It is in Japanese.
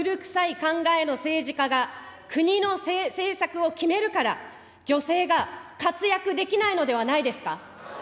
考えの政治家が国の政策を決めるから、女性が活躍できないのではないですか。